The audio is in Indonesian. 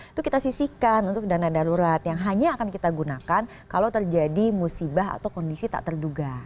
itu kita sisihkan untuk dana darurat yang hanya akan kita gunakan kalau terjadi musibah atau kondisi tak terduga